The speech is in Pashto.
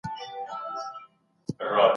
هیله ده چي نړۍ کي سوله راسي.